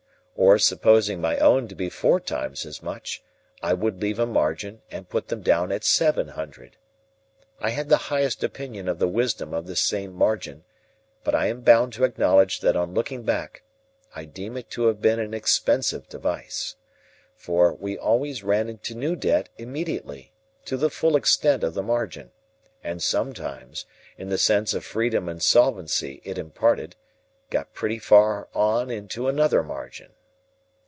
Or, supposing my own to be four times as much, I would leave a margin, and put them down at seven hundred. I had the highest opinion of the wisdom of this same Margin, but I am bound to acknowledge that on looking back, I deem it to have been an expensive device. For, we always ran into new debt immediately, to the full extent of the margin, and sometimes, in the sense of freedom and solvency it imparted, got pretty far on into another margin.